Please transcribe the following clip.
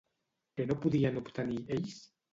Què no podien obtenir ells?